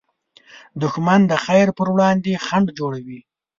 دښمن د خیر پر وړاندې خنډ جوړوي